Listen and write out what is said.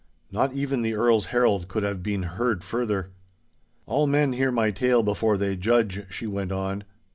Not even the Earl's herald could have been heard further. 'All men hear my tale before they judge,' she went on.